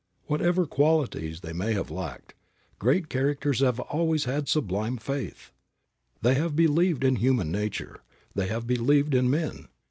Whatever other qualities they may have lacked, great characters have always had sublime faith. They have believed in human nature. They have believed in men.